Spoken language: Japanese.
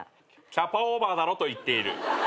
キャパオーバーだろと言っている。